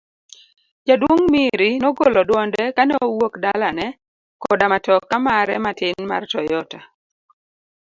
Jaduong' Miri nogolo dwonde kane owuok dalane koda matoka mare matin mar Toyota.